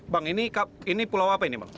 bang ini pulau apa ini bang